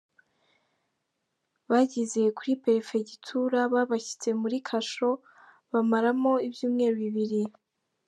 Bageze kuri perefegitura babashyize muri kasho, bamaramo ibyumweru bibiri.